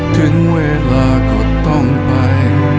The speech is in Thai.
ถึงเวลาก็ต้องไป